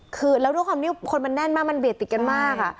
คือแล้วด้วยความที่คนมันแน่นมากมันเบียดติดกันมาก